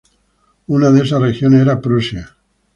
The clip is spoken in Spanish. Una de esas regiones era Prusia.